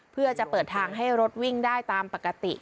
เพื่อจะเปิดทางให้รถวิ่งได้ตามปกติ